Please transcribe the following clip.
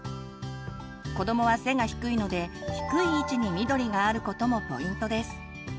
子どもは背が低いので低い位置に緑があることもポイントです。